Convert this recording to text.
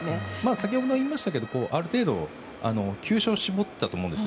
先ほども言いましたがある程度、球種を絞っていたと思うんです。